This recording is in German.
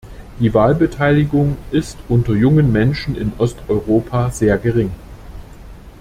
Die Wahlbeteiligung ist unter jungen Menschen in Osteuropa sehr gering.